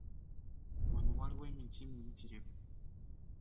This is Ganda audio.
Wano waliwo emiti miyitirivu.